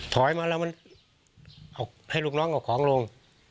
ถอยมาแล้วมันให้ลูกน้องเอาของลง